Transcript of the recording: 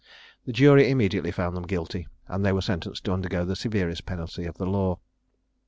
The jury immediately found them guilty, and they were sentenced to undergo the severest penalty of the law.